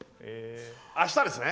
あしたですね？